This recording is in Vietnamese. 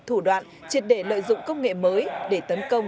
thủ đoạn triệt để lợi dụng công nghệ mới để tấn công